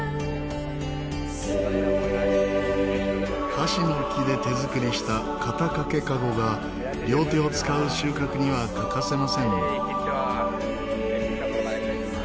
カシの木で手作りした肩掛け籠が両手を使う収穫には欠かせません。